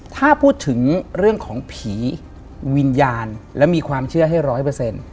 ถ้าพูดถึงเรื่องของผีวิญญาณและมีความเชื่อให้ร้อยเปอร์เซ็นต์